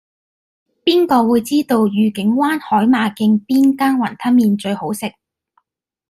邊個會知道愉景灣海馬徑邊間雲吞麵最好食